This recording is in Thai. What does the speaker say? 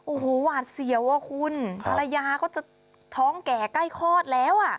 โอ้โหหวาดเสียวอ่ะคุณภรรยาก็จะท้องแก่ใกล้คลอดแล้วอ่ะ